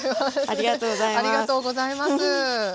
ありがとうございます。